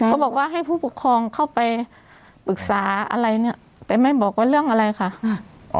บอกว่าให้ผู้ปกครองเข้าไปปรึกษาอะไรเนี้ยแต่ไม่บอกว่าเรื่องอะไรค่ะ